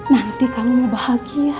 nanti kamu bahagia